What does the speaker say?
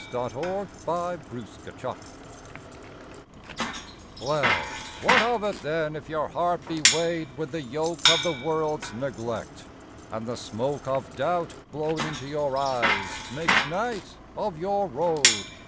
WHAT OF IT THEN I Well, what of it then, if your heart be weighed with the yoke Of the world's neglect? and the smoke Of doubt, blown into your eyes, makes night of your road?